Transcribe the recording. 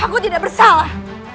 aku tidak bersalah